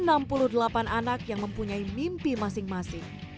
ada enam puluh delapan anak yang mempunyai mimpi masing masing